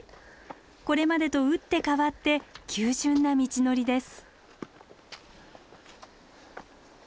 これまでと打って変わって急峻な道のりです。